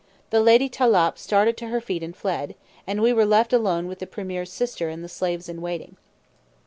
The Lady Tâlâp started to her feet and fled, and we were left alone with the premier's sister and the slaves in waiting.